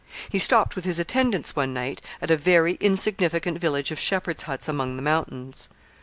He stopped with his attendants one night at a very insignificant village of shepherds' huts among the mountains.